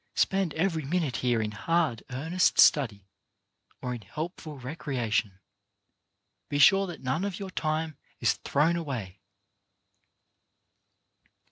Spend every minute here in hard, earnest study, or in heipful recrea tion. Be sure that none of your time is thrown away.